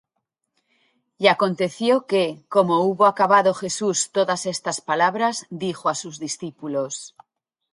Y acontecio que, como hubo acabado Jesús todas estas palabras, dijo á sus discípulos: